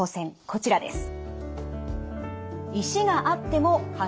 こちらです。